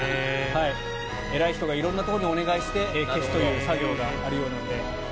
偉い人が色んなところにお願いして消すという作業があるようなので。